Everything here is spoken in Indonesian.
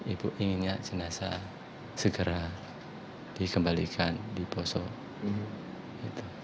ibu inginnya jenazah segera dikembalikan diposok